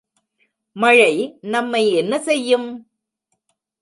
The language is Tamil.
மழை நம்மை என்ன செய்யும்?